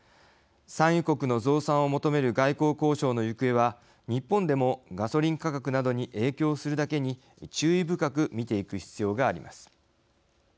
産油国の増産を求める外交交渉の行方は日本でもガソリン価格などに影響するだけに注意深く見ていく必要があります。